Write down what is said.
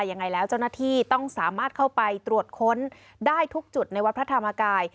ยังไงแล้วเจ้าหน้าที่ต้องสามารถเข้าไปตรวจค้นได้ทุกจุดในวัดพระธรรมกาย